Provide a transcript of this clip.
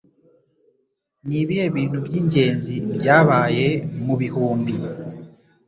Ni ibihe bintu by'ingenzi byabaye mu bihumbi